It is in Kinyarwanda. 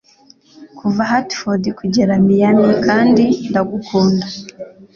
Kuva Hartford kugera Miami kandi ndagukunda